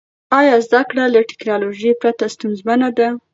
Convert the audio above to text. آیا زده کړه له ټیکنالوژۍ پرته ستونزمنه ده؟